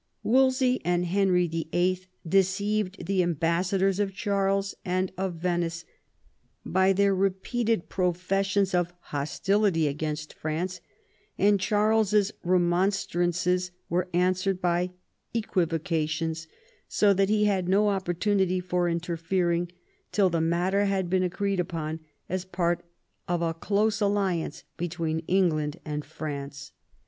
Wolsey and Henry VIII. deceived the ambassadors of Charles and of Venice by their repeated professions of hostility against France, and Charleses remonstrances were answered by equivocations, so that he had no oppor tunity for interfering till the matter had been agreed upon Bs part of a close alliance between England and France.